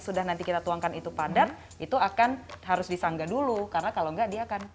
sudah nanti kita tuangkan itu padat itu akan harus disanggah dulu karena kalau enggak dia akan